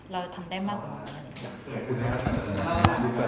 เราทำได้มากกว่า